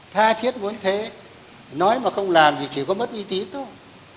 tha thiết vốn thế nói mà không làm thì chỉ có mất uy tín thôi